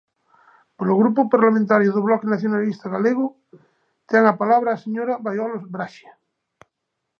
Polo Grupo Parlamentario do Bloque Nacionalista Galego, ten a palabra a señora Baiolo Braxe.